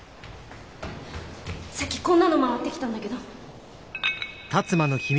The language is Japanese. さっきこんなの回ってきたんだけど。